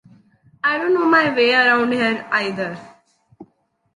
I don’t know my way around here either.